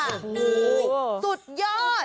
โอ้โหสุดยอด